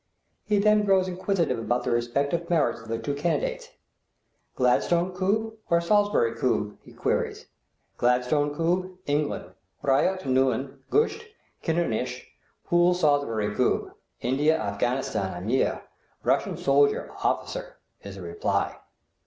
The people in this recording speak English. He then grows inquisitive about the respective merits of the two candidates. "Gladstone koob or Salisbury koob?" he queries. "Gladstone koob, England, ryot, nune, gusht, kishrnish, pool Salisbury koob, India, Afghanistan, Ameer, Russia soldier, officer," is the reply.